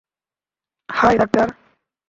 High, doctor.